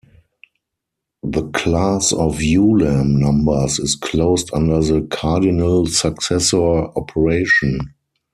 The class of Ulam numbers is closed under the cardinal successor operation.